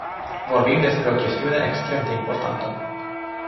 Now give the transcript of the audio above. Vorbim despre o chestiune extrem de importantă.